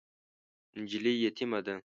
نجلۍ یتیمه ده .